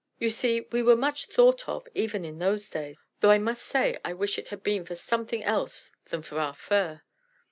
You see we were much thought of even in those days, though I must say I wish it had been for something else than for our fur.